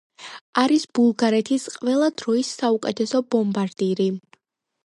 არის ბულგარეთის ყველა დროის საუკეთესო ბომბარდირი.